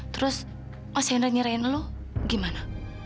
terus mas hendra nyerahin lu gimana